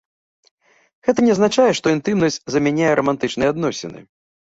Гэта не азначае, што інтымнасць замяняе рамантычныя адносіны.